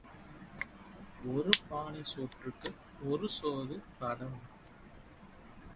ஒரு பானைச் சோற்றுக்கு ஒரு சோறு பதம்.